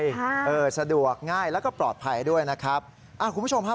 ใช่เออสะดวกง่ายแล้วก็ปลอดภัยด้วยนะครับอ่าคุณผู้ชมฮะ